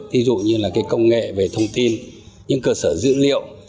ví dụ như là cái công nghệ về thông tin những cơ sở dữ liệu